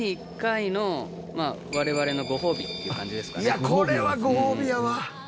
いやこれはごほうびやわ。